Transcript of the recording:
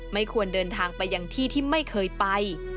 ไม่ควรเดินทางไปยังที่ที่ไม่เคยไป